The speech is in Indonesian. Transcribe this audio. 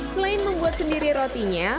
selain membuat sendiri rotinya